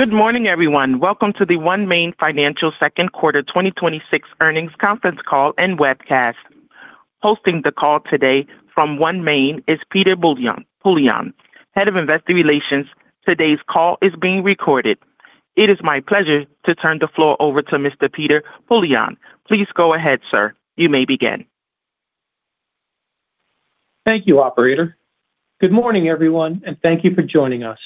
Good morning, everyone. Welcome to the OneMain Financial second quarter 2026 earnings conference call and webcast. Hosting the call today from OneMain is Peter Poillon, Head of Investor Relations. Today's call is being recorded. It is my pleasure to turn the floor over to Mr. Peter Poillon. Please go ahead, sir. You may begin. Thank you, operator. Good morning, everyone, and thank you for joining us.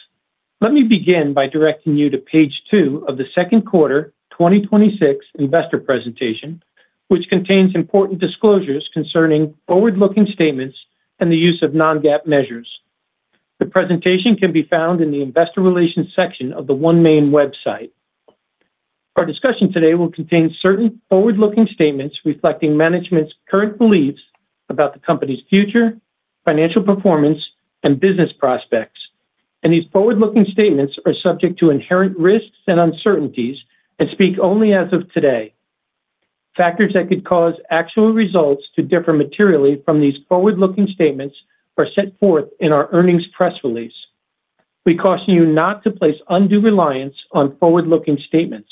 Let me begin by directing you to page two of the second quarter 2026 investor presentation, which contains important disclosures concerning forward-looking statements and the use of non-GAAP measures. The presentation can be found in the investor relations section of the OneMain website. Our discussion today will contain certain forward-looking statements reflecting management's current beliefs about the company's future, financial performance, and business prospects. These forward-looking statements are subject to inherent risks and uncertainties and speak only as of today. Factors that could cause actual results to differ materially from these forward-looking statements are set forth in our earnings press release. We caution you not to place undue reliance on forward-looking statements.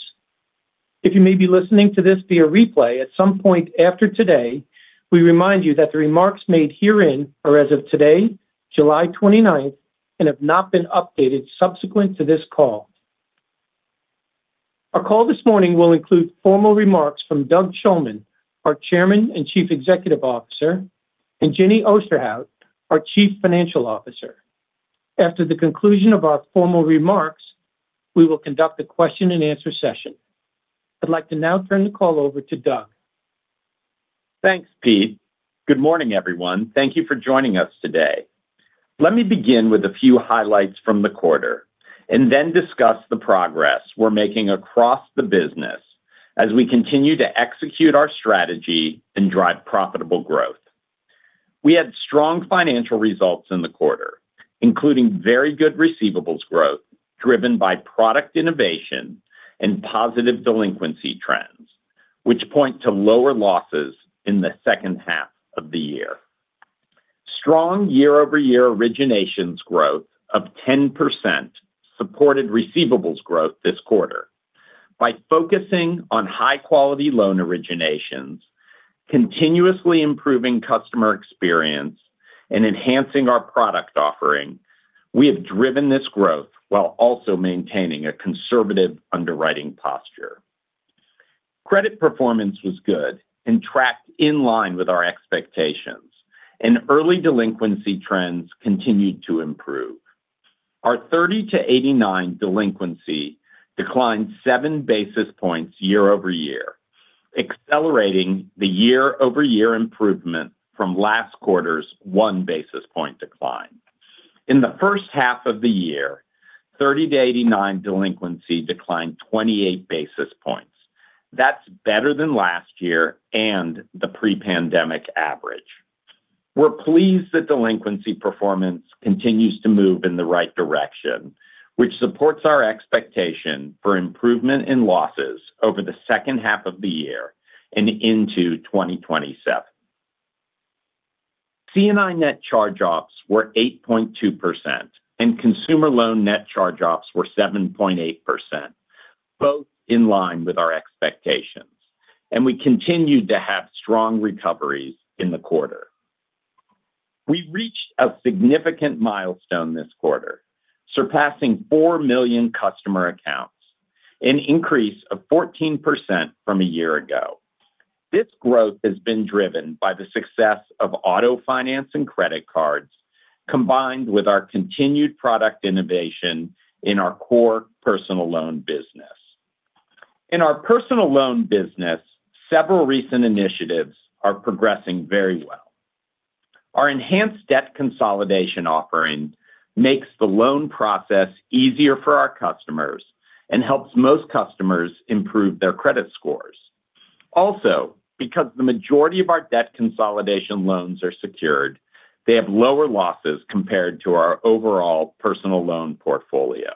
If you may be listening to this via replay at some point after today, we remind you that the remarks made herein are as of today, July 29th, and have not been updated subsequent to this call. Our call this morning will include formal remarks from Doug Shulman, our Chairman and Chief Executive Officer, and Jenny Osterhout, our Chief Financial Officer. After the conclusion of our formal remarks, we will conduct a question-and-answer session. I'd like to now turn the call over to Doug. Thanks, Pete. Good morning, everyone. Thank you for joining us today. Let me begin with a few highlights from the quarter and then discuss the progress we're making across the business as we continue to execute our strategy and drive profitable growth. We had strong financial results in the quarter, including very good receivables growth, driven by product innovation and positive delinquency trends, which point to lower losses in the second half of the year. Strong year-over-year originations growth of 10% supported receivables growth this quarter. By focusing on high-quality loan originations, continuously improving customer experience, and enhancing our product offering, we have driven this growth while also maintaining a conservative underwriting posture. Credit performance was good and tracked in line with our expectations, and early delinquency trends continued to improve. Our 30-89 delinquency declined 7 basis points year-over-year, accelerating the year-over-year improvement from last quarter's 1 basis point decline. In the first half of the year, 30-89 delinquency declined 28 basis points. That's better than last year and the pre-pandemic average. We're pleased that delinquency performance continues to move in the right direction, which supports our expectation for improvement in losses over the second half of the year and into 2027. C&I net charge-offs were 8.2%, and consumer loan net charge-offs were 7.8%, both in line with our expectations. We continued to have strong recoveries in the quarter. We reached a significant milestone this quarter, surpassing four million customer accounts, an increase of 14% from a year ago. This growth has been driven by the success of auto finance and credit cards, combined with our continued product innovation in our core personal loan business. In our personal loan business, several recent initiatives are progressing very well. Our enhanced debt consolidation offering makes the loan process easier for our customers and helps most customers improve their credit scores. Also, because the majority of our debt consolidation loans are secured, they have lower losses compared to our overall personal loan portfolio.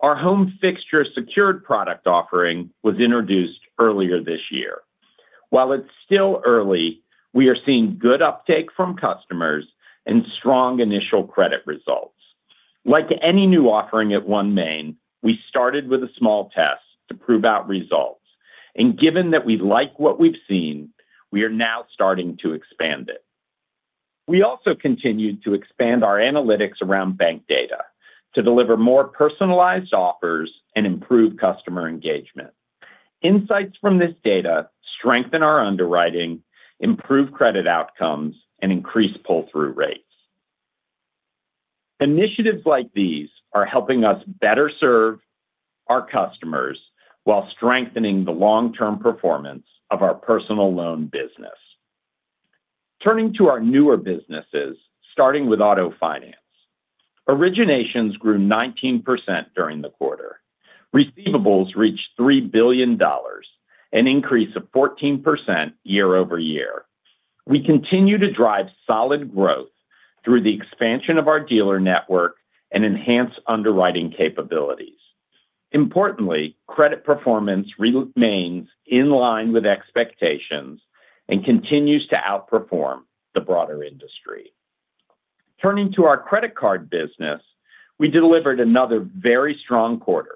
Our home fixture secured product offering was introduced earlier this year. While it's still early, we are seeing good uptake from customers and strong initial credit results. Like any new offering at OneMain, we started with a small test to prove out results. Given that we like what we've seen, we are now starting to expand it. We also continued to expand our analytics around bank data to deliver more personalized offers and improve customer engagement. Insights from this data strengthen our underwriting, improve credit outcomes, and increase pull-through rates. Initiatives like these are helping us better serve our customers while strengthening the long-term performance of our personal loan business. Turning to our newer businesses, starting with auto finance. Originations grew 19% during the quarter. Receivables reached $3 billion, an increase of 14% year-over-year. We continue to drive solid growth through the expansion of our dealer network and enhance underwriting capabilities. Importantly, credit performance remains in line with expectations and continues to outperform the broader industry. Turning to our credit card business, we delivered another very strong quarter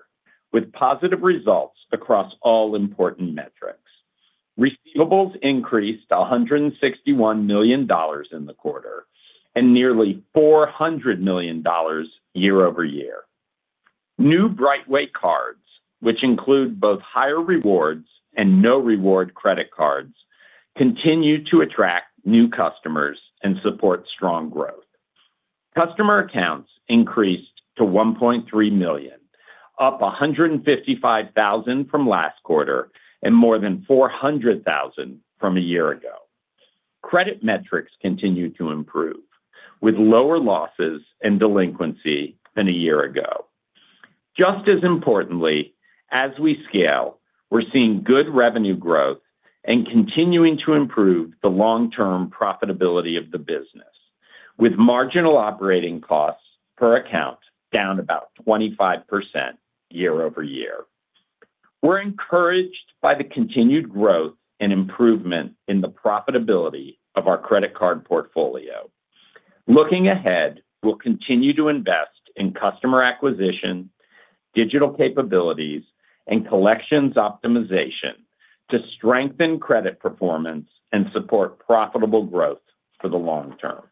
with positive results across all important metrics. Receivables increased to $161 million in the quarter, and nearly $400 million year-over-year. New BrightWay cards, which include both higher rewards and no reward credit cards, continue to attract new customers and support strong growth. Customer accounts increased to 1.3 million, up 155,000 from last quarter. More than 400,000 from a year ago. Credit metrics continue to improve, with lower losses and delinquency than a year ago. Just as importantly, as we scale, we're seeing good revenue growth and continuing to improve the long-term profitability of the business. With marginal operating costs per account down about 25% year-over-year. We're encouraged by the continued growth and improvement in the profitability of our credit card portfolio. Looking ahead, we'll continue to invest in customer acquisition, digital capabilities, and collections optimization to strengthen credit performance and support profitable growth for the long term.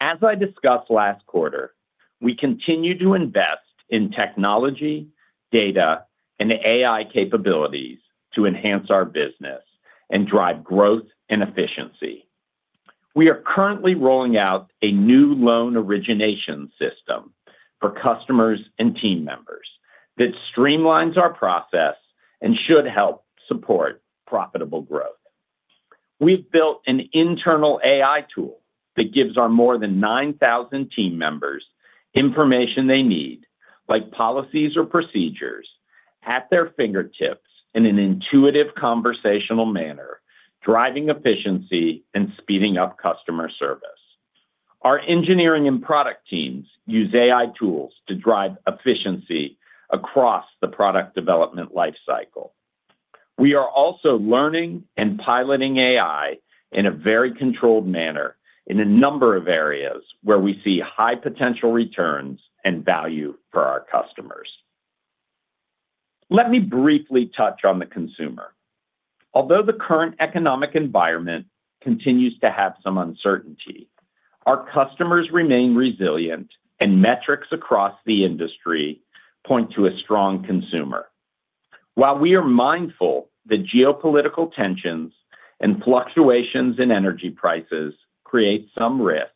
As I discussed last quarter, we continue to invest in technology, data, and AI capabilities to enhance our business and drive growth and efficiency. We are currently rolling out a new loan origination system for customers and team members that streamlines our process and should help support profitable growth. We've built an internal AI tool that gives our more than 9,000 team members information they need, like policies or procedures, at their fingertips in an intuitive conversational manner, driving efficiency and speeding up customer service. Our engineering and product teams use AI tools to drive efficiency across the product development life cycle. We are also learning and piloting AI in a very controlled manner in a number of areas where we see high potential returns and value for our customers. Let me briefly touch on the consumer. Although the current economic environment continues to have some uncertainty, our customers remain resilient and metrics across the industry point to a strong consumer. While we are mindful that geopolitical tension and fluctuation in energy prices create some risk,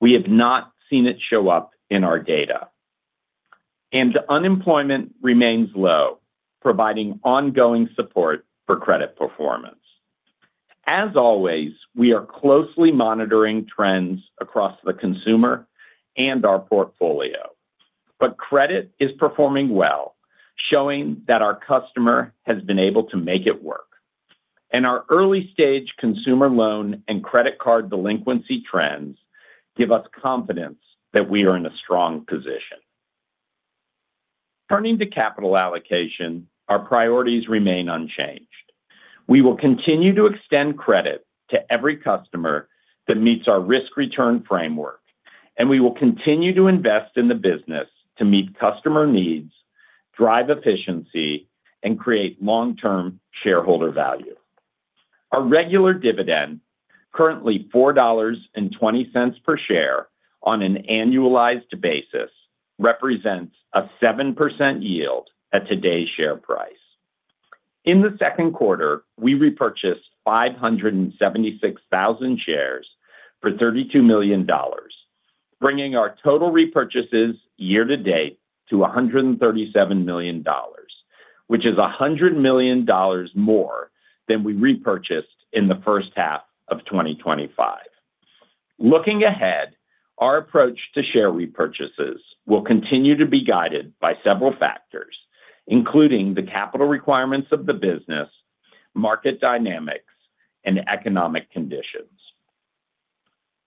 we are not seeing it show up in our data. Unemployment remains low, providing ongoing support for credit performance. As always, we are closely monitoring trends across the consumer and our portfolio. Credit is performing well, showing that our customer has been able to make it work. Our early-stage consumer loan and credit card delinquency trends give us confidence that we are in a strong position. Turning to capital allocation, our priorities remain unchanged. We will continue to extend credit to every customer that meets our risk-return framework, and we will continue to invest in the business to meet customer needs, drive efficiency, and create long-term shareholder value. Our regular dividend, currently $4.20 per share on an annualized basis, represents a 7% yield at today's share price. In the second quarter, we repurchased 576,000 shares for $32 million, bringing our total repurchases year-to-date to $137 million, which is $100 million more than we repurchased in the first half of 2025. Looking ahead, our approach to share repurchases will continue to be guided by several factors, including the capital requirements of the business, market dynamics, and economic conditions.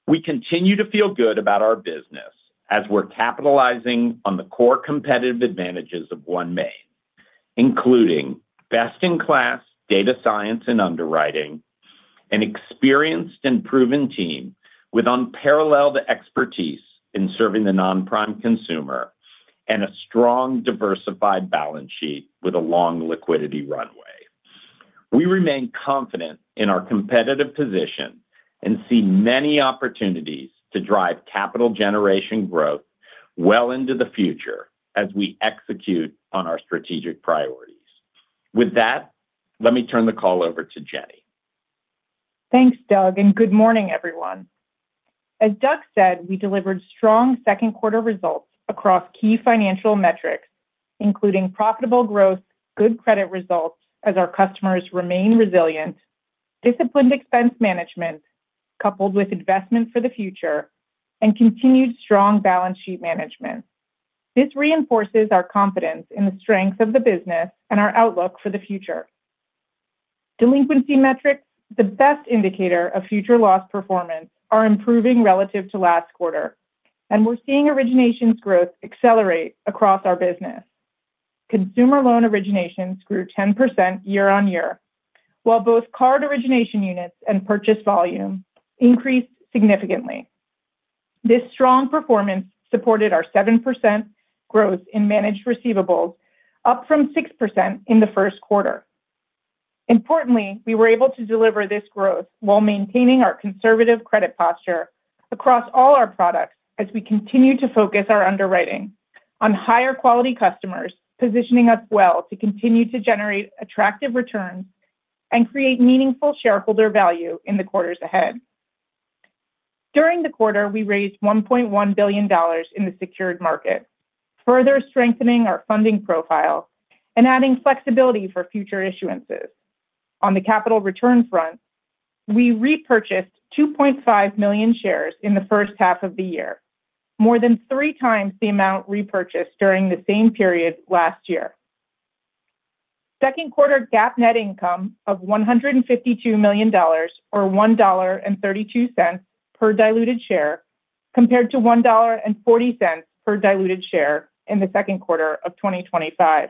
We continue to feel good about our business as we're capitalizing on the core competitive advantages of OneMain, including best-in-class data science and underwriting, an experienced and proven team with unparalleled expertise in serving the non-prime consumer, and a strong, diversified balance sheet with a long liquidity runway. We remain confident in our competitive position and see many opportunities to drive capital generation growth well into the future as we execute on our strategic priorities. With that, let me turn the call over to Jenny. Thanks, Doug, and good morning, everyone. As Doug said, we delivered strong second quarter results across key financial metrics, including profitable growth, good credit results as our customers remain resilient, disciplined expense management, coupled with investments for the future, and continued strong balance sheet management. This reinforces our confidence in the strength of the business and our outlook for the future. Delinquency metrics, the best indicator of future loss performance, are improving relative to last quarter, and we're seeing originations growth accelerate across our business. Consumer loan originations grew 10% year-on-year. While both card origination units and purchase volume increased significantly. This strong performance supported our 7% growth in managed receivables, up from 6% in the first quarter. Importantly, we were able to deliver this growth while maintaining our conservative credit posture across all our products as we continue to focus our underwriting on higher quality customers, positioning us well to continue to generate attractive returns and create meaningful shareholder value in the quarters ahead. During the quarter, we raised $1.1 billion in the secured market, further strengthening our funding profile and adding flexibility for future issuances. On the capital return front, we repurchased 2.5 million shares in the first half of the year, more than 3x the amount repurchased during the same period last year. Second quarter GAAP net income of $152 million, or $1.32 per diluted share, compared to $1.40 per diluted share in the second quarter of 2025.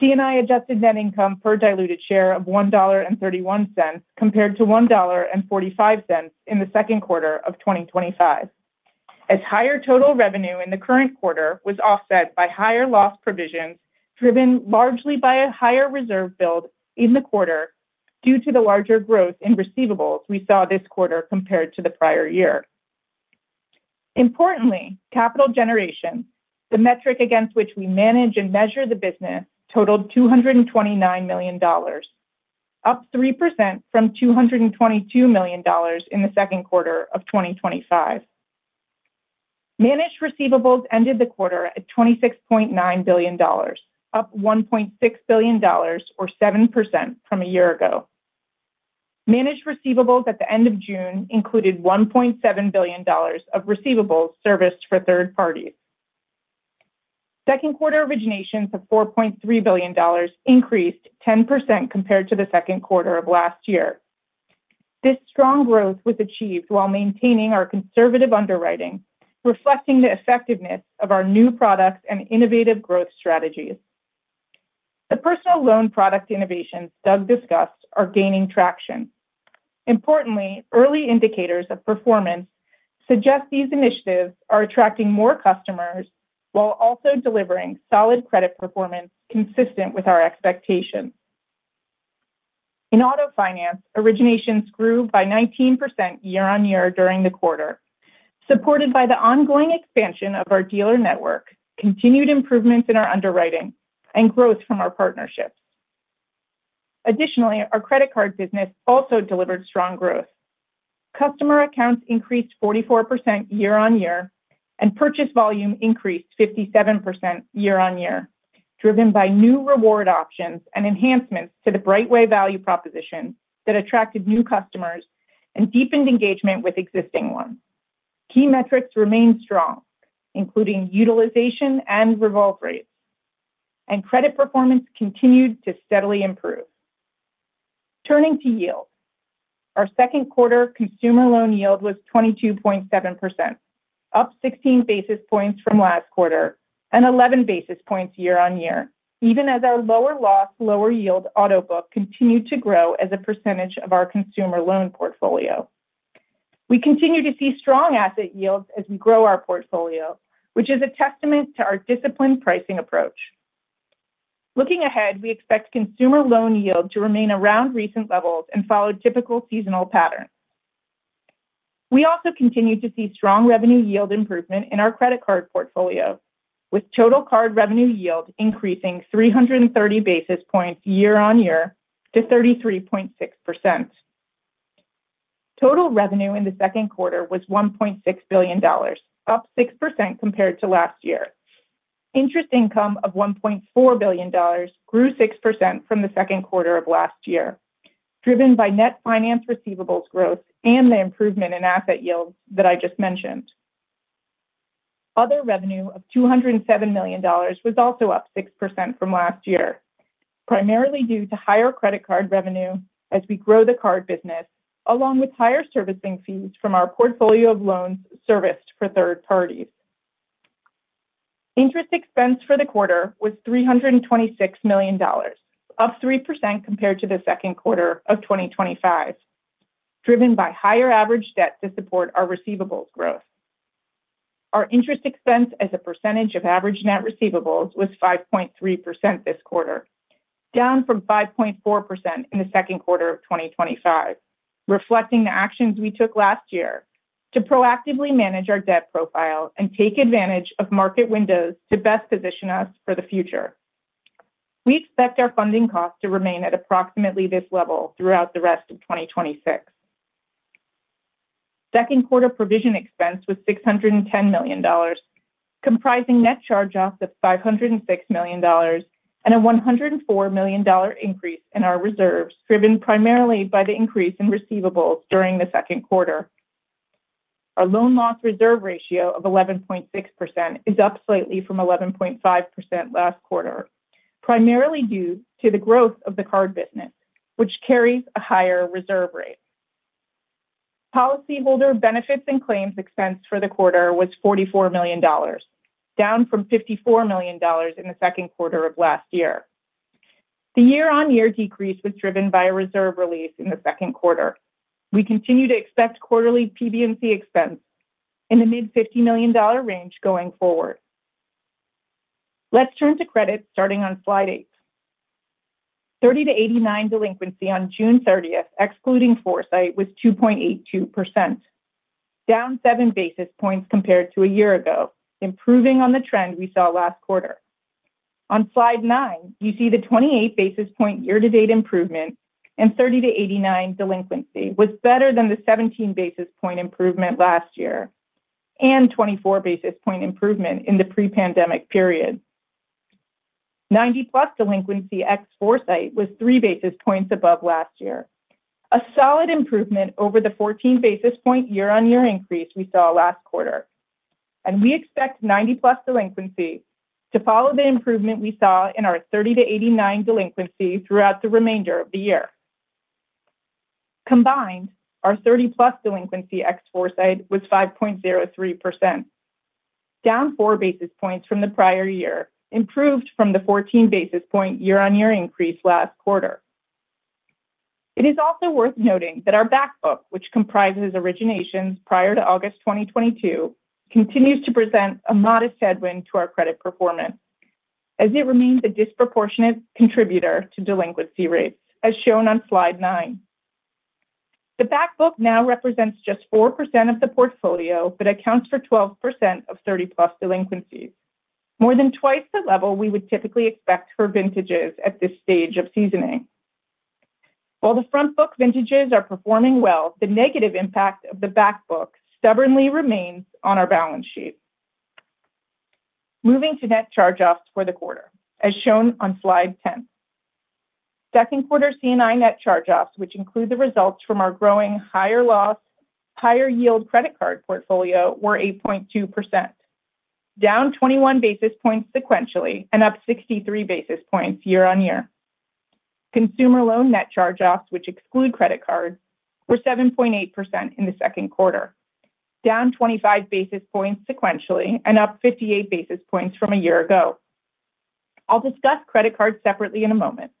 C&I adjusted net income per diluted share of $1.31 compared to $1.45 in the second quarter of 2025. As higher total revenue in the current quarter was offset by higher loss provisions, driven largely by a higher reserve build in the quarter due to the larger growth in receivables we saw this quarter compared to the prior year. Importantly, capital generation, the metric against which we manage and measure the business, totaled $229 million, up 3% from $222 million in the second quarter of 2025. Managed receivables ended the quarter at $26.9 billion, up $1.6 billion or 7% from a year ago. Managed receivables at the end of June included $1.7 billion of receivables serviced for third parties. Second quarter originations of $4.3 billion increased 10% compared to the second quarter of last year. This strong growth was achieved while maintaining our conservative underwriting, reflecting the effectiveness of our new products and innovative growth strategies. The personal loan product innovations Doug discussed are gaining traction. Importantly, early indicators of performance suggest these initiatives are attracting more customers while also delivering solid credit performance consistent with our expectations. In auto finance, originations grew by 19% year-on-year during the quarter, supported by the ongoing expansion of our dealer network, continued improvements in our underwriting, and growth from our partnerships. Additionally, our credit card business also delivered strong growth. Customer accounts increased 44% year-on-year, and purchase volume increased 57% year-on-year, driven by new reward options and enhancements to the BrightWay value proposition that attracted new customers and deepened engagement with existing ones. Key metrics remained strong, including utilization and revolve rates, and credit performance continued to steadily improve. Turning to yield. Our second quarter consumer loan yield was 22.7%, up 16 basis points from last quarter and 11 basis points year-on-year, even as our lower loss, lower yield auto book continued to grow as a percentage of our consumer loan portfolio. We continue to see strong asset yields as we grow our portfolio, which is a testament to our disciplined pricing approach. Looking ahead, we expect consumer loan yield to remain around recent levels and follow typical seasonal patterns. We also continued to see strong revenue yield improvement in our credit card portfolio, with total card revenue yield increasing 330 basis points year-on-year to 33.6%. Total revenue in the second quarter was $1.6 billion, up 6% compared to last year. Interest income of $1.4 billion grew 6% from the second quarter of last year, driven by net finance receivables growth and the improvement in asset yields that I just mentioned. Other revenue of $207 million was also up 6% from last year, primarily due to higher credit card revenue as we grow the card business, along with higher servicing fees from our portfolio of loans serviced for third parties. Interest expense for the quarter was $326 million, up 3% compared to the second quarter of 2025, driven by higher average debt to support our receivables growth. Our interest expense as a percentage of average net receivables was 5.3% this quarter, down from 5.4% in the second quarter of 2025, reflecting the actions we took last year to proactively manage our debt profile and take advantage of market windows to best position us for the future. We expect our funding costs to remain at approximately this level throughout the rest of 2026. Second quarter provision expense was $610 million, comprising net charge-offs of $506 million and a $104 million increase in our reserves, driven primarily by the increase in receivables during the second quarter. Our loan loss reserve ratio of 11.6% is up slightly from 11.5% last quarter, primarily due to the growth of the card business, which carries a higher reserve rate. Policyholder benefits and claims expense for the quarter was $44 million, down from $54 million in the second quarter of last year. The year-on-year decrease was driven by a reserve release in the second quarter. We continue to expect quarterly PB&C expense in the mid-$50 million range going forward. Let's turn to credits, starting on slide eight. 30-89 delinquency on June 30th, excluding Foresight, was 2.82%, down 7 basis points compared to a year ago, improving on the trend we saw last quarter. On slide nine, you see the 28 basis point year-to-date improvement and 30-89 delinquency was better than the 17 basis point improvement last year, 24 basis point improvement in the pre-pandemic period. 90+ delinquency ex Foresight was 3 basis points above last year. A solid improvement over the 14 basis point year-on-year increase we saw last quarter. We expect 90+ delinquency to follow the improvement we saw in our 30-89 delinquency throughout the remainder of the year. Combined, our 30+ delinquency ex Foresight was 5.03%, down four basis points from the prior year, improved from the 14 basis point year-on-year increase last quarter. It is also worth noting that our back book, which comprises originations prior to August 2022, continues to present a modest headwind to our credit performance, as it remains a disproportionate contributor to delinquency rates, as shown on slide nine. The back book now represents just 4% of the portfolio but accounts for 12% of 30+ delinquencies. More than 2x the level we would typically expect for vintages at this stage of seasoning. While the front book vintages are performing well, the negative impact of the back book stubbornly remains on our balance sheet. Moving to net charge-offs for the quarter, as shown on slide 10. Second quarter C&I net charge-offs, which include the results from our growing higher-loss, higher-yield credit card portfolio, were 8.2%, down 21 basis points sequentially and up 63 basis points year-on-year. Consumer loan net charge-offs, which exclude credit cards, were 7.8% in the second quarter, down 25 basis points sequentially and up 58 basis points from a year ago. I'll discuss credit cards separately in a moment,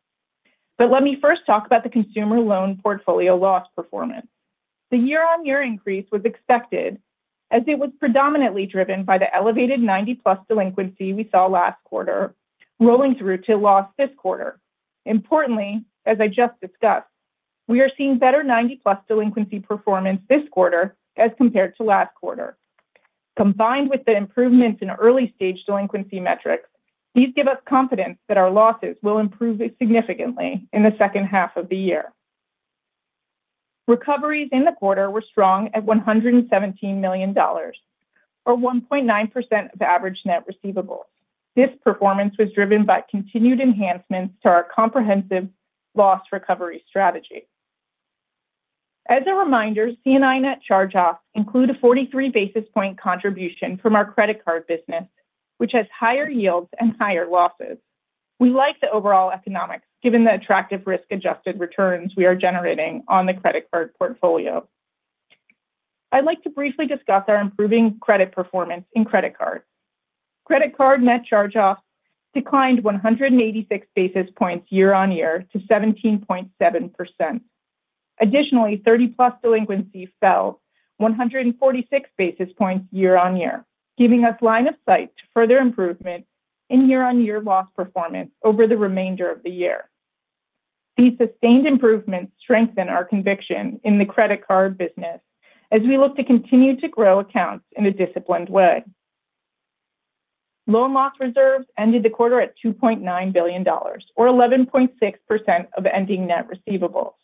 but let me first talk about the consumer loan portfolio loss performance. The year-on-year increase was expected, as it was predominantly driven by the elevated 90+ delinquency we saw last quarter rolling through to loss this quarter. Importantly, as I just discussed, we are seeing better 90+ delinquency performance this quarter as compared to last quarter. Combined with the improvements in early-stage delinquency metrics, these give us confidence that our losses will improve significantly in the second half of the year. Recoveries in the quarter were strong at $117 million, or 1.9% of average net receivables. This performance was driven by continued enhancements to our comprehensive loss recovery strategy. As a reminder, C&I net charge-offs include a 43 basis point contribution from our credit card business, which has higher yields and higher losses. We like the overall economics, given the attractive risk-adjusted returns we are generating on the credit card portfolio. I'd like to briefly discuss our improving credit performance in credit cards. Credit card net charge-offs declined 186 basis points year-on-year to 17.7%. Additionally, 30+ delinquencies fell 146 basis points year-on-year, giving us line of sight to further improvement in year-on-year loss performance over the remainder of the year. These sustained improvements strengthen our conviction in the credit card business as we look to continue to grow accounts in a disciplined way. Loan loss reserves ended the quarter at $2.9 billion, or 11.6% of ending net receivables.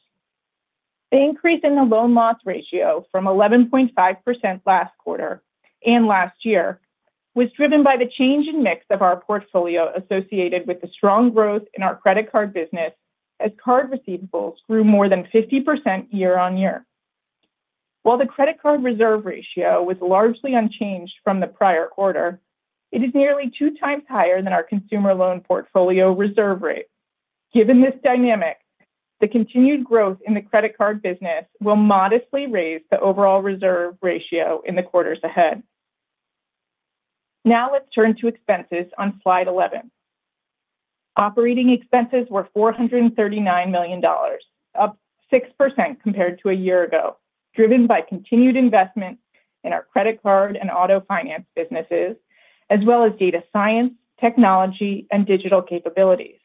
The increase in the loan loss ratio from 11.5% last quarter and last year was driven by the change in mix of our portfolio associated with the strong growth in our credit card business, as card receivables grew more than 50% year-on-year. While the credit card reserve ratio was largely unchanged from the prior quarter, it is nearly 2x higher than our consumer loan portfolio reserve rate. Given this dynamic, the continued growth in the credit card business will modestly raise the overall reserve ratio in the quarters ahead. Let's turn to expenses on slide 11. Operating expenses were $439 million, up 6% compared to a year ago, driven by continued investment in our credit card and auto finance businesses, as well as data science, technology, and digital capabilities.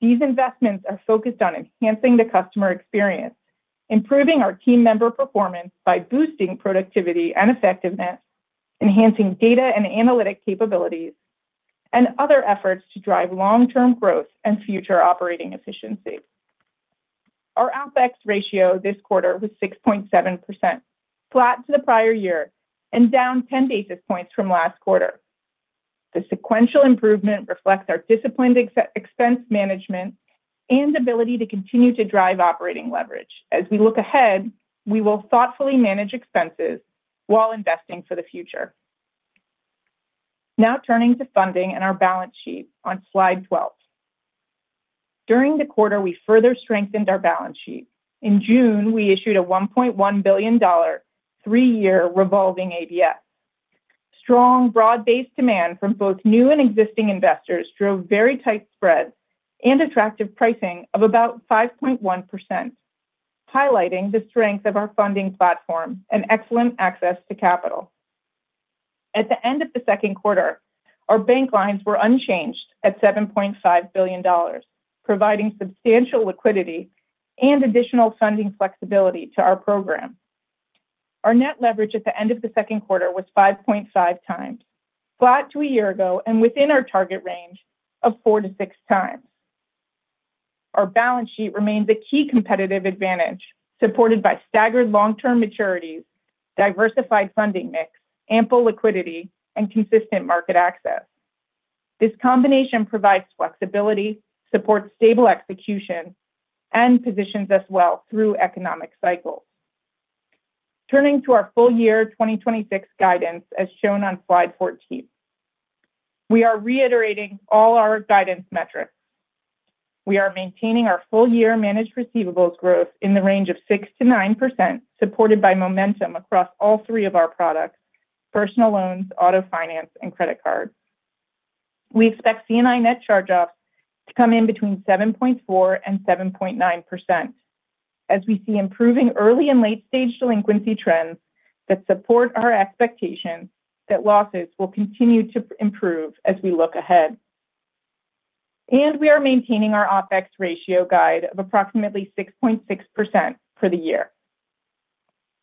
These investments are focused on enhancing the customer experience, improving our team member performance by boosting productivity and effectiveness, enhancing data and analytic capabilities, and other efforts to drive long-term growth and future operating efficiency. Our OpEx ratio this quarter was 6.7%, flat to the prior year and down 10 basis points from last quarter. The sequential improvement reflects our disciplined expense management and ability to continue to drive operating leverage. As we look ahead, we will thoughtfully manage expenses while investing for the future. Turning to funding and our balance sheet on slide 12. During the quarter, we further strengthened our balance sheet. In June, we issued a $1.1 billion three-year revolving ABS. Strong, broad-based demand from both new and existing investors drove very tight spreads and attractive pricing of about 5.1%, highlighting the strength of our funding platform and excellent access to capital. At the end of the second quarter, our bank lines were unchanged at $7.5 billion, providing substantial liquidity and additional funding flexibility to our program. Our net leverage at the end of the second quarter was 5.5x, flat to a year ago and within our target range of 4x-6x. Our balance sheet remains a key competitive advantage, supported by staggered long-term maturities, diversified funding mix, ample liquidity, and consistent market access. This combination provides flexibility, supports stable execution, and positions us well through economic cycles. Turning to our full-year 2026 guidance, as shown on slide 14. We are reiterating all our guidance metrics. We are maintaining our full-year managed receivables growth in the range of 6%-9%, supported by momentum across all three of our products: personal loans, auto finance, and credit card. We expect C&I net charge-offs to come in between 7.4%-7.9% as we see improving early and late-stage delinquency trends that support our expectation that losses will continue to improve as we look ahead. We are maintaining our OpEx ratio guide of approximately 6.6% for the year.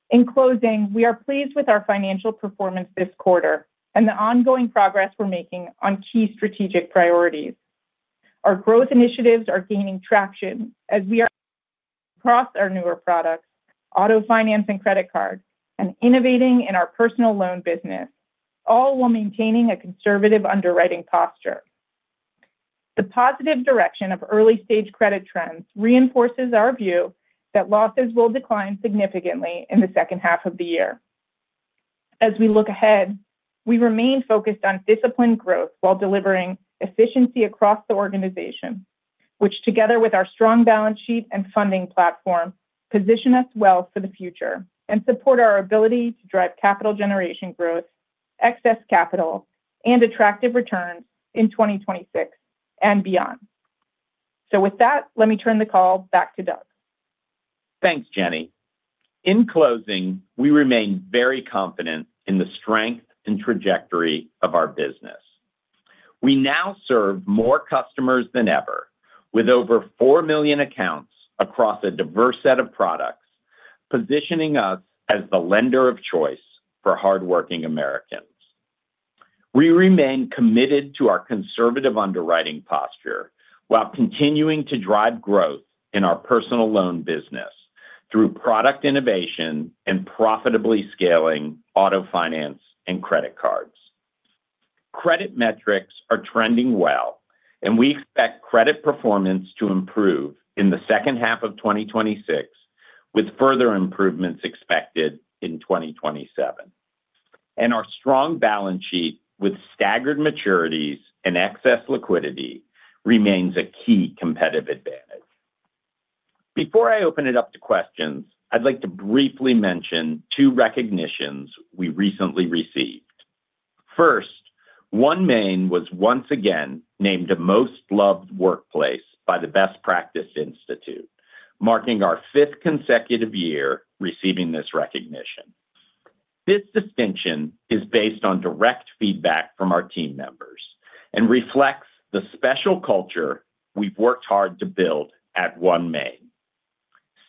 In closing, we are pleased with our financial performance this quarter and the ongoing progress we're making on key strategic priorities. Our growth initiatives are gaining traction as we are across our newer products, auto finance and credit card, and innovating in our personal loan business, all while maintaining a conservative underwriting posture. The positive direction of early-stage credit trends reinforces our view that losses will decline significantly in the second half of the year. As we look ahead, we remain focused on disciplined growth while delivering efficiency across the organization, which together with our strong balance sheet and funding platform, position us well for the future and support our ability to drive capital generation growth, excess capital, and attractive returns in 2026 and beyond. With that, let me turn the call back to Doug. Thanks, Jenny. In closing, we remain very confident in the strength and trajectory of our business. We now serve more customers than ever, with over 4 million accounts across a diverse set of products, positioning us as the lender of choice for hardworking Americans. We remain committed to our conservative underwriting posture while continuing to drive growth in our personal loan business through product innovation and profitably scaling auto finance and credit cards. Credit metrics are trending well, and we expect credit performance to improve in the second half of 2026, with further improvements expected in 2027. Our strong balance sheet with staggered maturities and excess liquidity remains a key competitive advantage. Before I open it up to questions, I'd like to briefly mention two recognitions we recently received. First, OneMain was once again named a Most Loved Workplace by the Best Practice Institute, marking our fifth consecutive year receiving this recognition. This distinction is based on direct feedback from our team members and reflects the special culture we've worked hard to build at OneMain.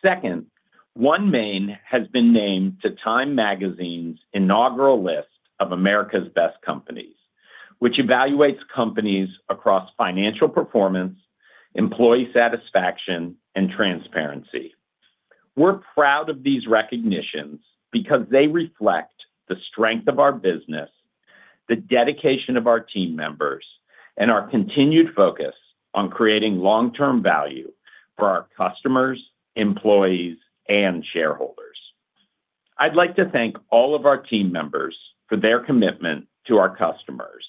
Second, OneMain has been named to Time magazine's inaugural list of America's Best Companies, which evaluates companies across financial performance, employee satisfaction, and transparency. We're proud of these recognitions because they reflect the strength of our business, the dedication of our team members, and our continued focus on creating long-term value for our customers, employees, and shareholders. I'd like to thank all of our team members for their commitment to our customers,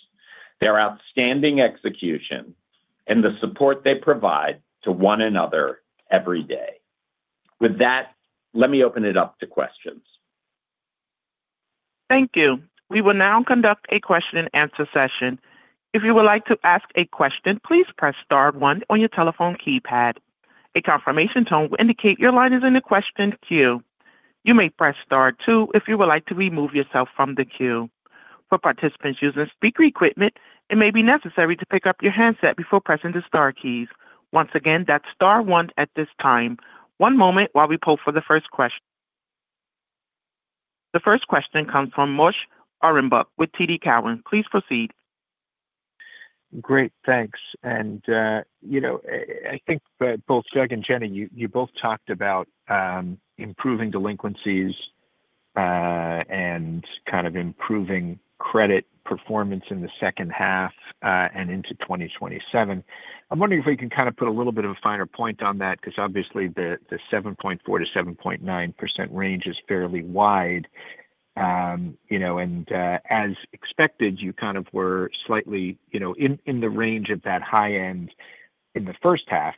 their outstanding execution, and the support they provide to one another every day. With that, let me open it up to questions. Thank you. We will now conduct a question-and-answer session. If you would like to ask a question, please press star one on your telephone keypad. A confirmation tone will indicate your line is in the question queue. You may press star two if you would like to remove yourself from the queue. For participants using speaker equipment, it may be necessary to pick up your handset before pressing the star keys. Once again, that's star one at this time. One moment while we poll for the first question. The first question comes from Moshe Orenbuch with TD Cowen. Please proceed. Great, thanks. I think both Doug and Jenny, you both talked about improving delinquencies, and kind of improving credit performance in the second half and into 2027. I'm wondering if we can kind of put a little bit of a finer point on that because obviously the 7.4%-7.9% range is fairly wide. As expected, you kind of were slightly in the range of that high end in the first half.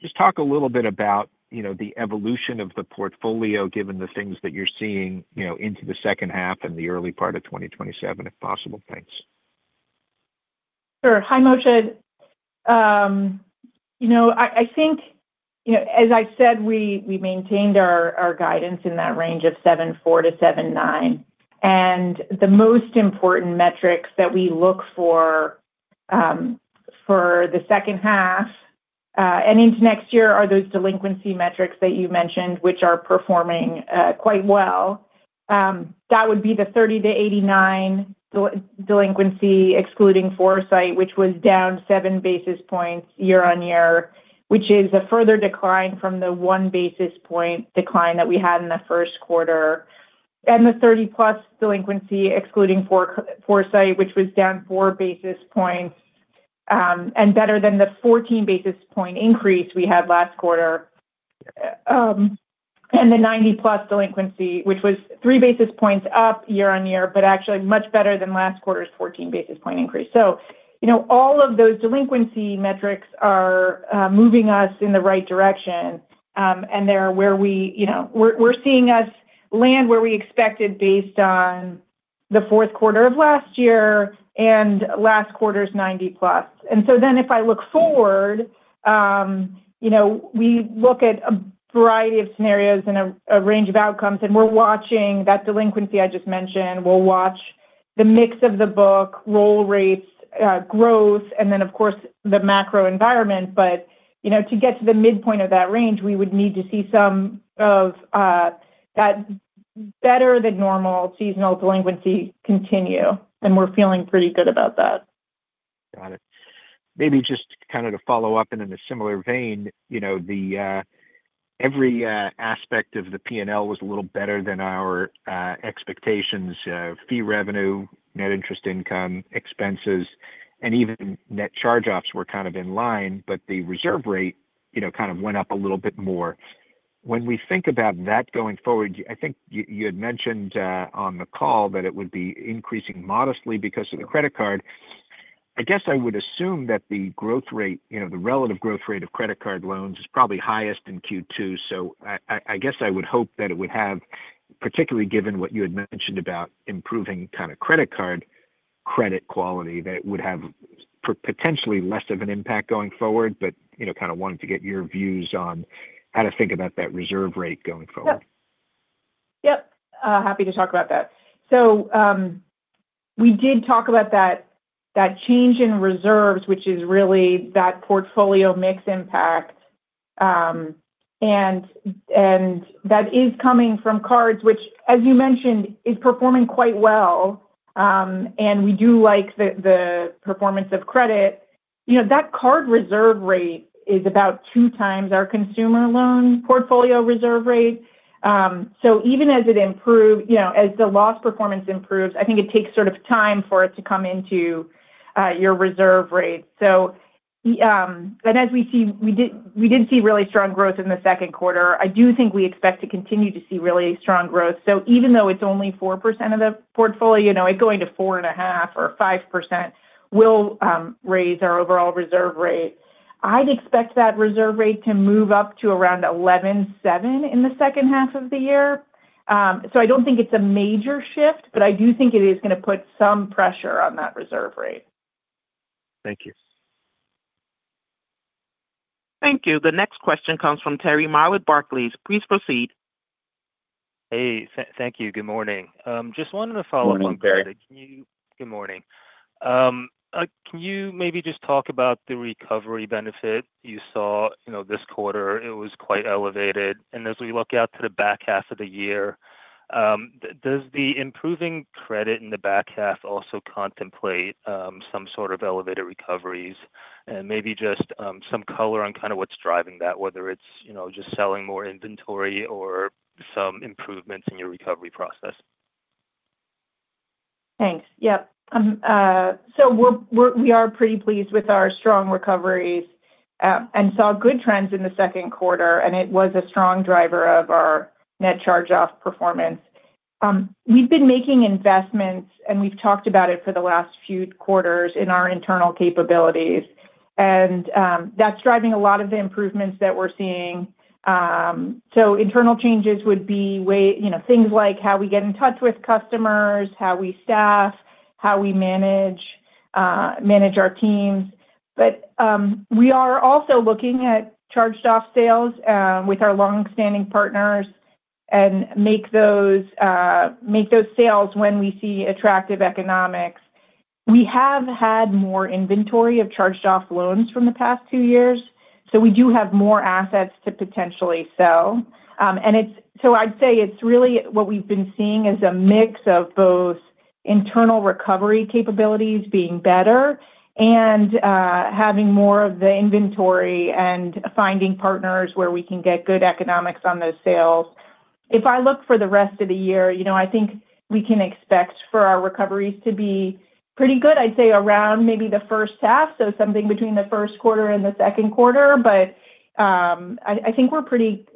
Just talk a little bit about the evolution of the portfolio, given the things that you're seeing into the second half and the early part of 2027, if possible. Thanks. Sure. Hi, Moshe. I think, as I said, we maintained our guidance in that range of 7.4%-7.9%. The most important metrics that we look for the second half and into next year are those delinquency metrics that you mentioned, which are performing quite well. That would be the 30-89 delinquency excluding Foresight, which was down 7 basis points year-over-year, which is a further decline from the 1 basis point decline that we had in the first quarter. The 30+ delinquency excluding Foresight, which was down 4 basis points, and better than the 14 basis point increase we had last quarter. The 90+ delinquency, which was 3 basis points up year-on-year, but actually much better than last quarter's 14 basis point increase. All of those delinquency metrics are moving us in the right direction, and we're seeing us land where we expected based on the fourth quarter of last year and last quarter's 90+. If I look forward, we look at a variety of scenarios and a range of outcomes, and we're watching that delinquency I just mentioned. We'll watch the mix of the book, roll rates, growth, and then of course the macro environment. To get to the midpoint of that range, we would need to see some of that better than normal seasonal delinquency continue, and we're feeling pretty good about that. Got it. Maybe just to follow up in a similar vein, every aspect of the P&L was a little better than our expectations. Fee revenue, net interest income, expenses, and even net charge-offs were kind of in line, but the reserve rate went up a little bit more. When we think about that going forward, I think you had mentioned on the call that it would be increasing modestly because of the credit card. I guess I would assume that the relative growth rate of credit card loans is probably highest in Q2. I guess I would hope that it would have, particularly given what you had mentioned about improving credit card credit quality, that it would have potentially less of an impact going forward. Wanted to get your views on how to think about that reserve rate going forward. Yep. Happy to talk about that. We did talk about that change in reserves, which is really that portfolio mix impact. That is coming from cards, which as you mentioned, is performing quite well. We do like the performance of credit. That card reserve rate is about 2x our consumer loan portfolio reserve rate. Even as the loss performance improves, I think it takes time for it to come into your reserve rate. We did see really strong growth in the second quarter. I do think we expect to continue to see really strong growth. Even though it's only 4% of the portfolio, it going to 4.5% or 5% will raise our overall reserve rate. I'd expect that reserve rate to move up to around 11.7% in the second half of the year. I don't think it's a major shift. I do think it is going to put some pressure on that reserve rate. Thank you. Thank you. The next question comes from Terry Ma with Barclays. Please proceed. Hey, thank you. Good morning. Good morning, Terry Good morning. Can you maybe just talk about the recovery benefit you saw this quarter? It was quite elevated. As we look out to the back half of the year, does the improving credit in the back half also contemplate some sort of elevated recoveries? Maybe just some color on what's driving that, whether it's just selling more inventory or some improvements in your recovery process. Thanks. Yep. We are pretty pleased with our strong recoveries, and saw good trends in the second quarter, and it was a strong driver of our net charge-off performance. We've been making investments, and we've talked about it for the last few quarters in our internal capabilities, and that's driving a lot of the improvements that we're seeing. Internal changes would be things like how we get in touch with customers, how we staff, how we manage our teams. We are also looking at charged-off sales with our longstanding partners and make those sales when we see attractive economics. We have had more inventory of charged-off loans from the past two years. We do have more assets to potentially sell. I'd say it's really what we've been seeing is a mix of both internal recovery capabilities being better and having more of the inventory and finding partners where we can get good economics on those sales. If I look for the rest of the year, I think we can expect for our recoveries to be pretty good. I'd say around maybe the first half, so something between the first quarter and the second quarter. I think we're pretty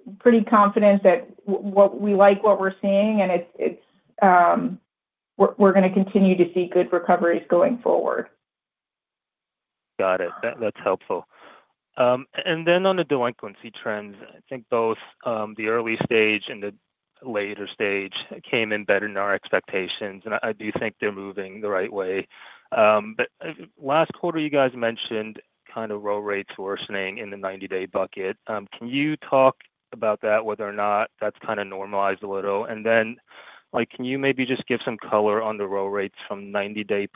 confident that we like what we're seeing and we're going to continue to see good recoveries going forward. Got it. That's helpful. On the delinquency trends, I think both the early stage and the later stage came in better than our expectations, and I do think they're moving the right way. Last quarter you guys mentioned roll rates worsening in the 90-day bucket. Can you talk about that, whether or not that's normalized a little? Can you maybe just give some color on the roll rates from 90-day+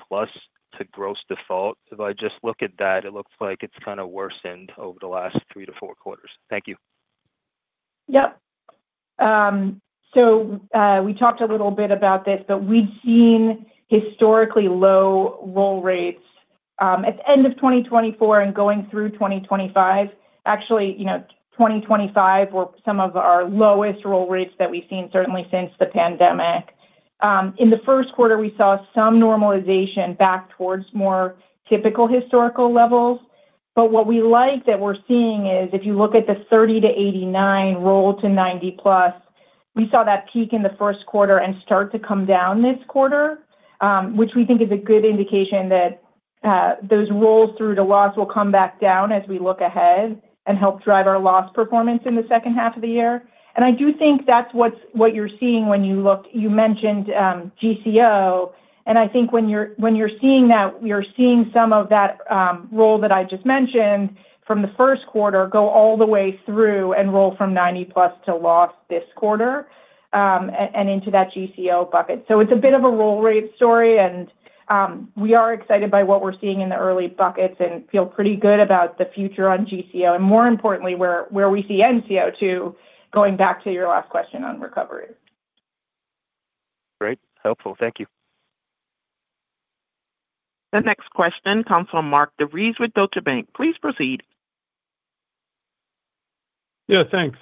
to gross default? If I just look at that, it looks like it's worsened over the last three to four quarters. Thank you. Yep. We talked a little bit about this, but we've seen historically low roll rates at the end of 2024 and going through 2025. Actually, 2025 were some of our lowest roll rates that we've seen certainly since the pandemic. In the first quarter, we saw some normalization back towards more typical historical levels. What we like that we're seeing is if you look at the 30-89 roll to 90+, we saw that peak in the first quarter and start to come down this quarter, which we think is a good indication that those rolls through to loss will come back down as we look ahead and help drive our loss performance in the second half of the year. I do think that's what you're seeing when you look, you mentioned GCO, and I think when you're seeing that, we are seeing some of that roll that I just mentioned from the first quarter go all the way through and roll from 90+ to loss this quarter and into that GCO bucket. It's a bit of a roll rate story, and we are excited by what we're seeing in the early buckets and feel pretty good about the future on GCO and more importantly, where we see NCO too, going back to your last question on recovery. Great. Helpful. Thank you. The next question comes from Mark DeVries with Deutsche Bank. Please proceed. Yeah, thanks.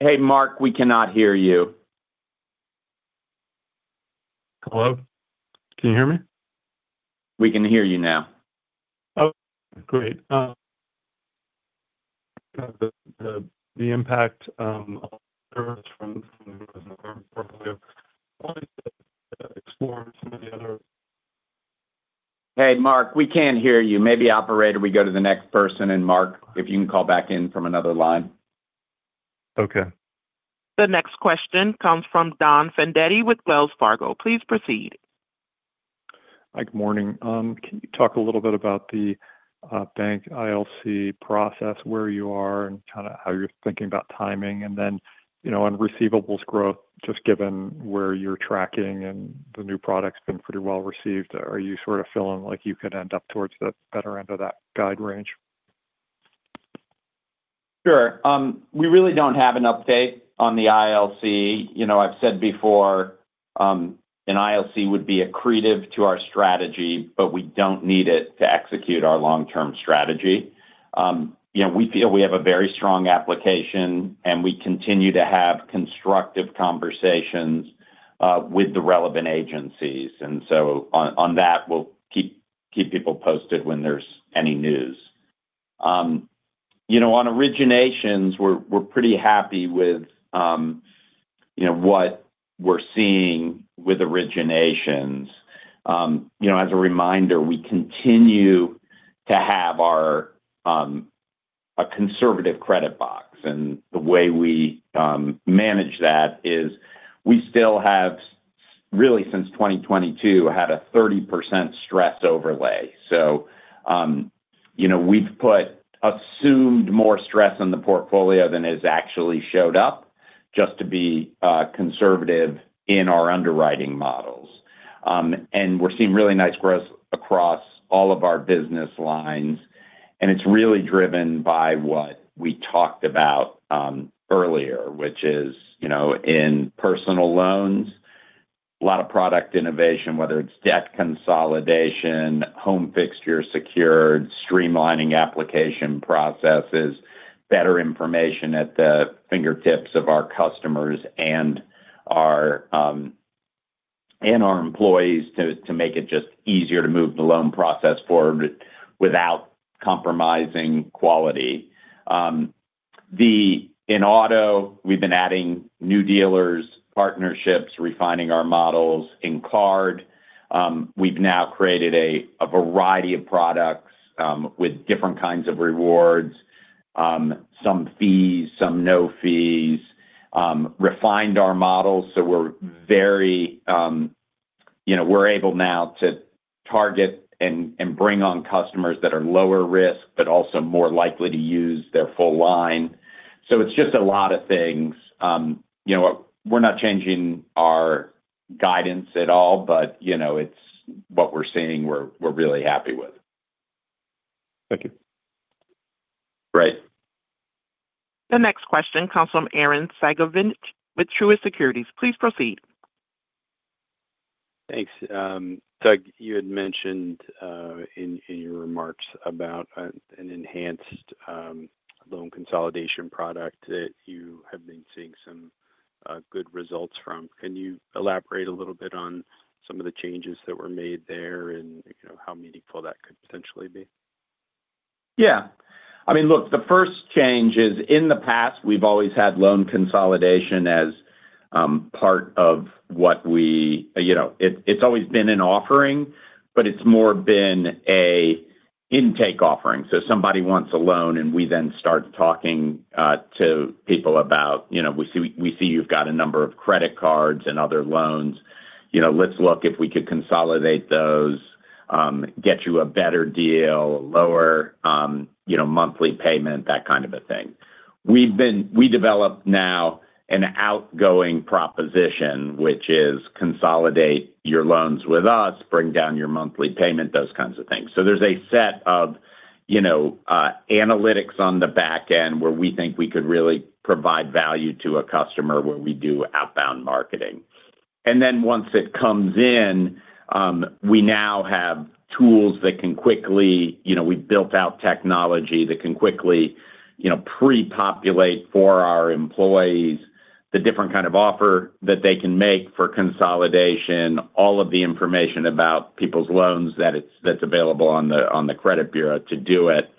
Hey, Mark, we cannot hear you. Hello? Can you hear me? We can hear you now. Oh, great. The impact from portfolio. Hey, Mark, we can't hear you. Maybe operator, we go to the next person. Mark, if you can call back in from another line. Okay. The next question comes from Don Fandetti with Wells Fargo. Please proceed. Hi, good morning. Can you talk a little bit about the bank ILC process, where you are and how you're thinking about timing? On receivables growth, just given where you're tracking and the new product's been pretty well received, are you feeling like you could end up towards the better end of that guide range? Sure. We really don't have an update on the ILC. I've said before an ILC would be accretive to our strategy, we don't need it to execute our long-term strategy. We feel we have a very strong application, and we continue to have constructive conversations with the relevant agencies. On that, we'll keep people posted when there's any news. On originations, we're pretty happy with what we're seeing with originations. As a reminder, we continue to have a conservative credit box. The way we manage that is we still have, really since 2022, had a 30% stress overlay. We've put assumed more stress on the portfolio than has actually showed up just to be conservative in our underwriting models. We're seeing really nice growth across all of our business lines, it's really driven by what we talked about earlier, which is in personal loans, a lot of product innovation, whether it's debt consolidation, home fixture secured, streamlining application processes, better information at the fingertips of our customers and our employees to make it just easier to move the loan process forward without compromising quality. In auto, we've been adding new dealers, partnerships, refining our models. In card, we've now created a variety of products with different kinds of rewards. Some fees, some no fees. Refined our models, so we're able now to target and bring on customers that are lower risk, but also more likely to use their full line. It's just a lot of things. We're not changing our guidance at all, but what we're seeing, we're really happy with. Thank you. Great. The next question comes from Arren Cyganovich with Truist Securities. Please proceed. Thanks. Doug, you had mentioned in your remarks about an enhanced loan consolidation product that you have been seeing some good results from. Can you elaborate a little bit on some of the changes that were made there and how meaningful that could potentially be? Yeah. Look, the first change is in the past, we've always had loan consolidation as part of. It's always been an offering, but it's more been an intake offering. Somebody wants a loan and we then start talking to people about, "We see you've got a number of credit cards and other loans. Let's look if we could consolidate those, get you a better deal, lower monthly payment," that kind of a thing. We developed now an outgoing proposition, which is consolidate your loans with us, bring down your monthly payment, those kinds of things. There's a set of analytics on the back end where we think we could really provide value to a customer where we do outbound marketing. Once it comes in, we've built out technology that can quickly pre-populate for our employees the different kind of offer that they can make for consolidation, all of the information about people's loans that's available on the credit bureau to do it.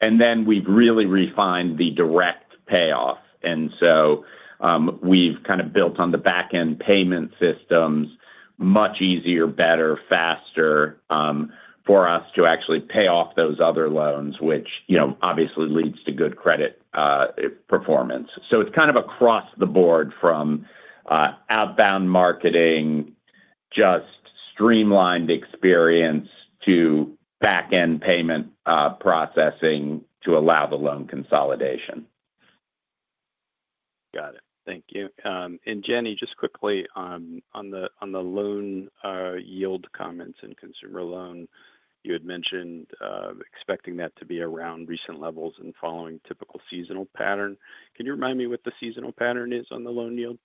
We've really refined the direct payoff. We've built on the back-end payment systems much easier, better, faster for us to actually pay off those other loans, which obviously leads to good credit performance. It's kind of across the board from outbound marketing, just streamlined experience to back-end payment processing to allow the loan consolidation. Got it. Thank you. Jenny, just quickly on the loan yield comments and consumer loan, you had mentioned expecting that to be around recent levels and following typical seasonal pattern. Can you remind me what the seasonal pattern is on the loan yield?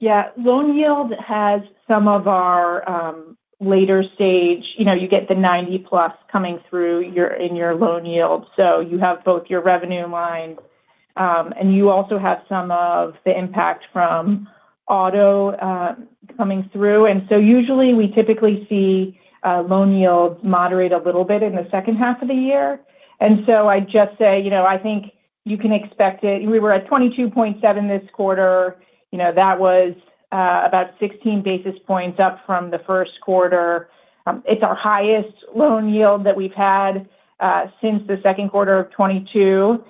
Yeah. Loan yield has some of our later stage. You get the 90+ coming through in your loan yield. You have both your revenue line, and you also have some of the impact from auto coming through. Usually we typically see loan yields moderate a little bit in the second half of the year. I just say, I think you can expect it. We were at 22.7% this quarter. That was about 16 basis points up from the first quarter. It's our highest loan yield that we've had since the second quarter of 2022.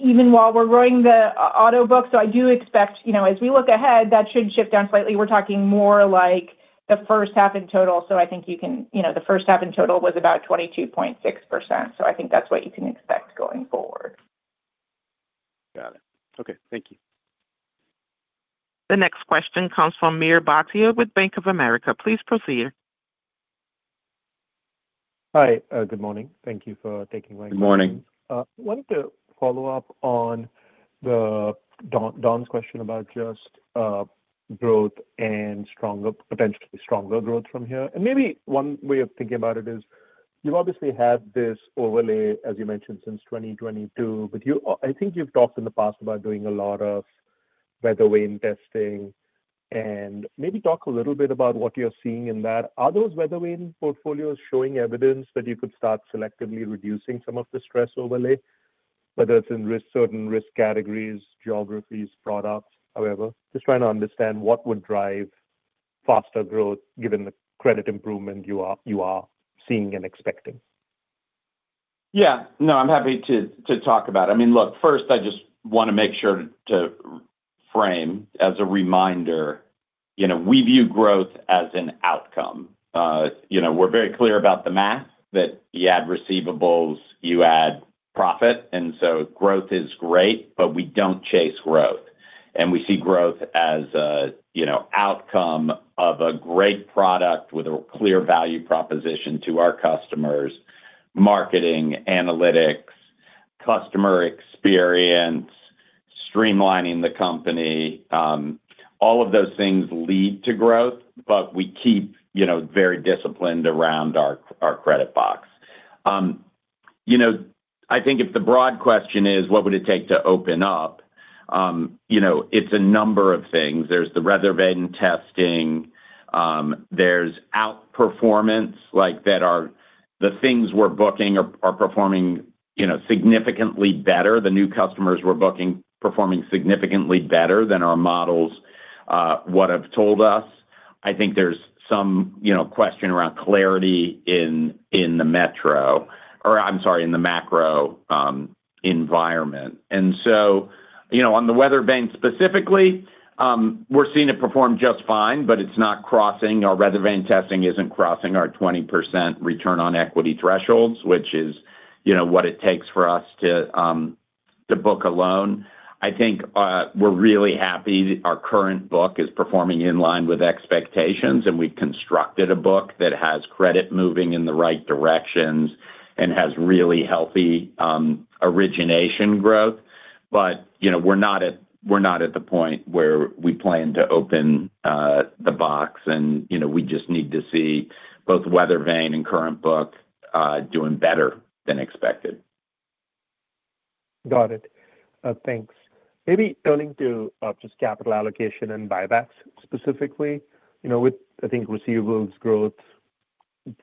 Even while we're growing the auto book. I do expect, as we look ahead, that should shift down slightly. We're talking more like the first half in total. The first half in total was about 22.6%, I think that's what you can expect going forward. Got it. Okay. Thank you. The next question comes from Mihir Bhatia with Bank of America. Please proceed. Hi. Good morning. Thank you for taking my call. Good morning. Wanted to follow up on Don's question about just growth and potentially stronger growth from here. Maybe one way of thinking about it is you obviously have this overlay, as you mentioned, since 2022. I think you've talked in the past about doing a lot of weather vane testing and maybe talk a little bit about what you're seeing in that. Are those weather vane portfolios showing evidence that you could start selectively reducing some of the stress overlay, whether it's in certain risk categories, geographies, products, however? Just trying to understand what would drive faster growth given the credit improvement you are seeing and expecting. Yeah. No, I'm happy to talk about it. Look, first, I just want to make sure to frame as a reminder, we view growth as an outcome. We're very clear about the math that you add receivables, you add profit, and so growth is great, but we don't chase growth. We see growth as a outcome of a great product with a clear value proposition to our customers, marketing, analytics, customer experience, streamlining the company. All of those things lead to growth, but we keep very disciplined around our credit box. I think if the broad question is what would it take to open up? It's a number of things. There's the weather vane testing. There's outperformance like that are the things we're booking are performing significantly better. The new customers we're booking performing significantly better than our models, what have told us. I think there's some question around clarity in the metro, or I'm sorry, in the macro environment. On the weather vane specifically, we're seeing it perform just fine, but it's not crossing. Our weather vane testing isn't crossing our 20% return on equity thresholds, which is what it takes for us to book a loan. I think we're really happy our current book is performing in line with expectations, and we constructed a book that has credit moving in the right directions and has really healthy origination growth. We're not at the point where we plan to open the box. We just need to see both weather vane and current book doing better than expected. Got it. Thanks. Maybe turning to just capital allocation and buybacks specifically. With, I think, receivables growth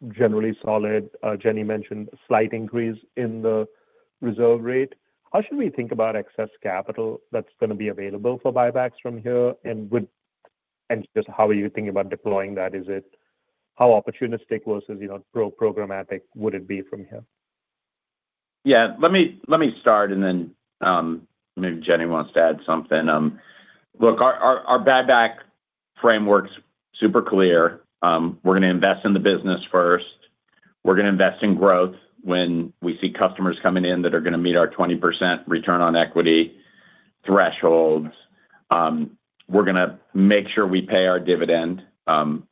generally solid. Jenny mentioned a slight increase in the reserve rate. How should we think about excess capital that's going to be available for buybacks from here, and just how are you thinking about deploying that? Is it how opportunistic versus programmatic would it be from here? Yeah. Let me start, maybe Jenny wants to add something. Look, our buyback framework's super clear. We're going to invest in the business first. We're going to invest in growth when we see customers coming in that are going to meet our 20% return on equity thresholds. We're going to make sure we pay our dividend,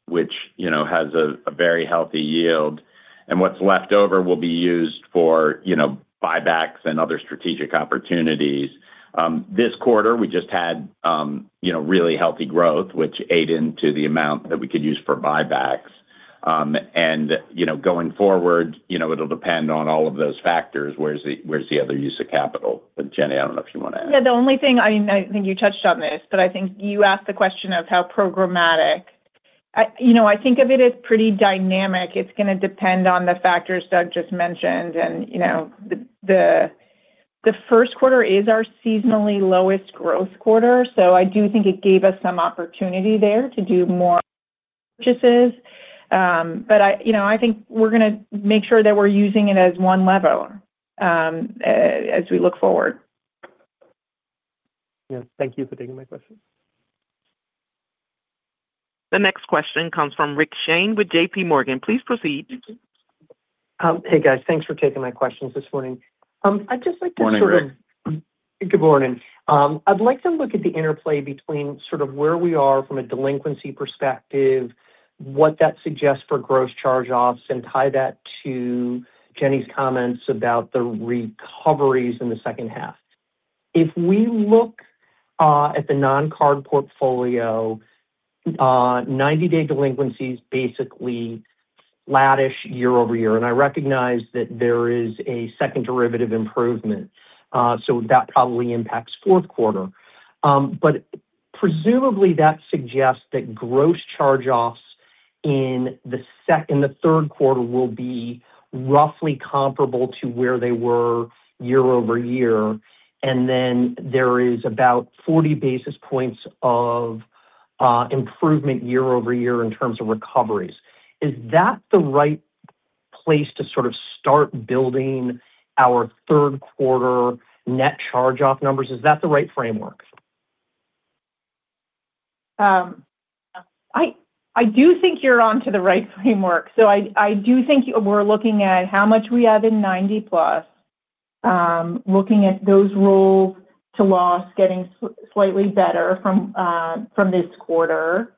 which has a very healthy yield, and what's left over will be used for buybacks and other strategic opportunities. This quarter, we just had really healthy growth, which ate into the amount that we could use for buybacks. Going forward, it'll depend on all of those factors. Where's the other use of capital? Jenny, I don't know if you want to add. Yeah. The only thing, I think you touched on this, I think you asked the question of how programmatic. I think of it as pretty dynamic. It's going to depend on the factors Doug just mentioned. The first quarter is our seasonally lowest growth quarter, so I do think it gave us some opportunity there to do more purchases. I think we're going to make sure that we're using it as one lever as we look forward. Yeah. Thank you for taking my question. The next question comes from Rich Shane with JPMorgan. Please proceed. Hey, guys. Thanks for taking my questions this morning. I'd just like to Morning, Rich. Good morning. I'd like to look at the interplay between sort of where we are from a delinquency perspective, what that suggests for gross charge-offs, and tie that to Jenny's comments about the recoveries in the second half. If we look at the non-card portfolio, 90-day delinquencies basically flattish year-over-year. I recognize that there is a second derivative improvement, so that probably impacts fourth quarter. Presumably, that suggests that gross charge-offs in the third quarter will be roughly comparable to where they were year-over-year, and then there is about 40 basis points of improvement year-over-year in terms of recoveries. Is that the right place to sort of start building our third quarter net charge-off numbers? Is that the right framework? I do think you're onto the right framework. I do think we're looking at how much we have in 90+, looking at those rolls to loss getting slightly better from this quarter.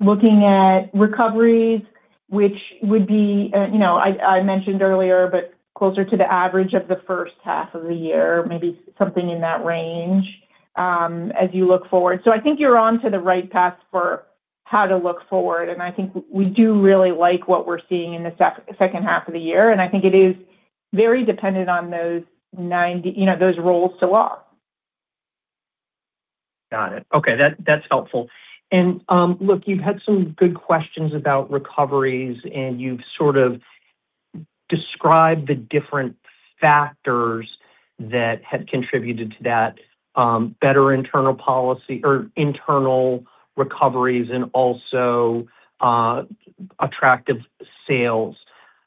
Looking at recoveries, which would be, I mentioned earlier, but closer to the average of the first half of the year, maybe something in that range as you look forward. I think you're onto the right path for how to look forward, and I think we do really like what we're seeing in the second half of the year, and I think it is very dependent on those rolls to loss. Got it. Okay. That's helpful. Look, you've had some good questions about recoveries, and you've sort of described the different factors that have contributed to that better internal recoveries, and also attractive sales.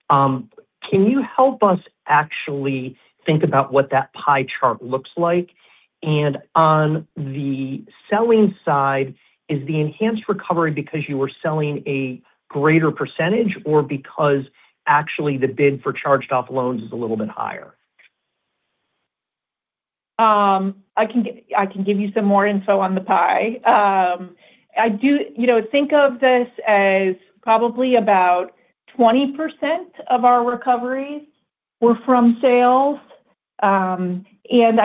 Can you help us actually think about what that pie chart looks like? On the selling side, is the enhanced recovery because you were selling a greater percentage or because actually the bid for charged-off loans is a little bit higher? I can give you some more info on the pie. Think of this as probably about 20% of our recoveries were from sales. I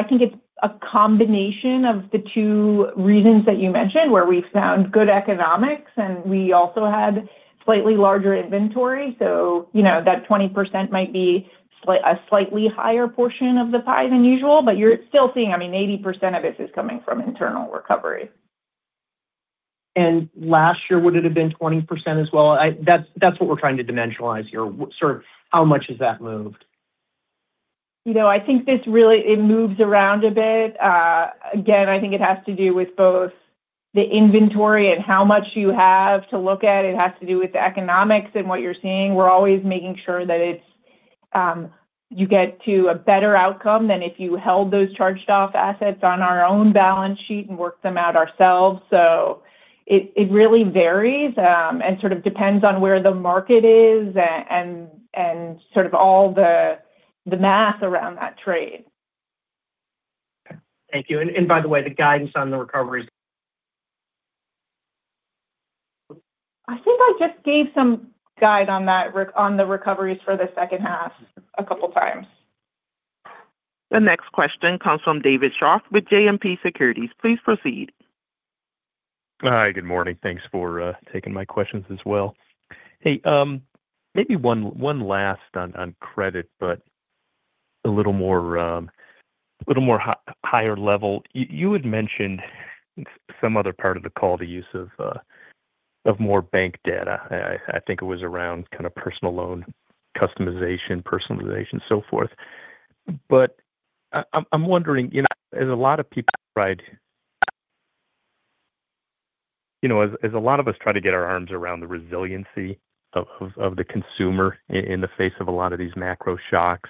think it's a combination of the two reasons that you mentioned, where we found good economics, and we also had slightly larger inventory. That 20% might be a slightly higher portion of the pie than usual, but you're still seeing 80% of it is coming from internal recovery. Last year, would it have been 20% as well? That's what we're trying to dimensionalize here, sort of how much has that moved? I think it moves around a bit. Again, I think it has to do with both the inventory and how much you have to look at. It has to do with the economics and what you're seeing. We're always making sure that you get to a better outcome than if you held those charged-off assets on our own balance sheet and worked them out ourselves. It really varies and sort of depends on where the market is and sort of all the math around that trade. Okay. Thank you. By the way, the guidance on the recoveries? I think I just gave some guide on the recoveries for the second half a couple times. The next question comes from David Scharf with JMP Securities. Please proceed. Hi. Good morning. Thanks for taking my questions as well. Maybe one last on credit, a little more higher level. You had mentioned some other part of the call, the use of more bank data. I think it was around personal loan customization, personalization, so forth. I'm wondering, as a lot of us try to get our arms around the resiliency of the consumer in the face of a lot of these macro shocks,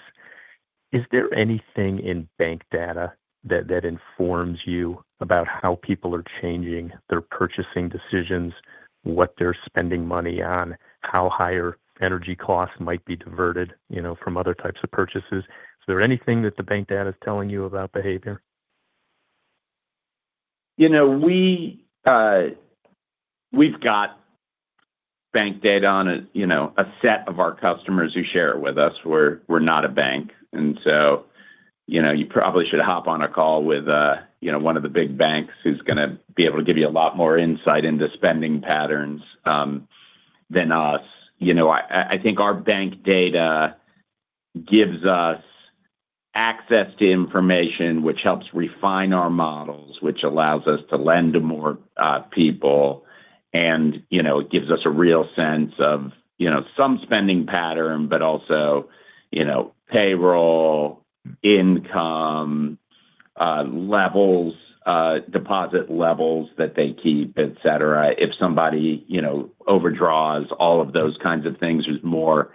is there anything in bank data that informs you about how people are changing their purchasing decisions, what they're spending money on, how higher energy costs might be diverted from other types of purchases? Is there anything that the bank data is telling you about behavior? We've got bank data on a set of our customers who share it with us. We're not a bank, you probably should hop on a call with one of the big banks who's going to be able to give you a lot more insight into spending patterns than us. I think our bank data gives us access to information which helps refine our models, which allows us to lend to more people. It gives us a real sense of some spending pattern, but also payroll, income levels, deposit levels that they keep, et cetera. If somebody overdraws all of those kinds of things is more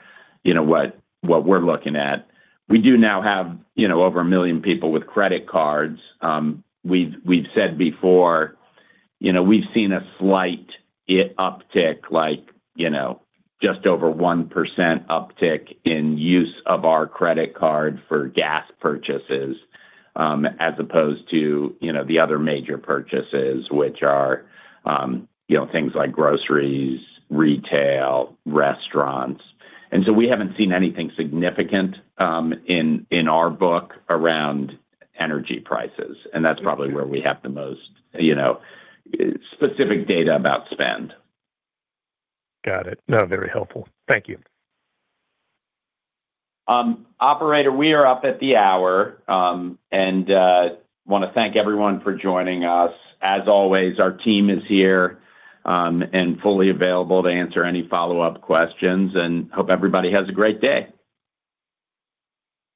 what we're looking at. We do now have over 1 million people with credit cards. We've said before we've seen a slight uptick, just over 1% uptick in use of our credit card for gas purchases as opposed to the other major purchases, which are things like groceries, retail, restaurants. We haven't seen anything significant in our book around energy prices. That's probably where we have the most specific data about spend. Got it. No, very helpful. Thank you. Operator, we are up at the hour. Want to thank everyone for joining us. As always, our team is here and fully available to answer any follow-up questions. Hope everybody has a great day.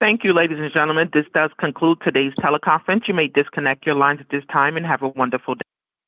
Thank you, ladies and gentlemen. This does conclude today's teleconference. You may disconnect your lines at this time. Have a wonderful day.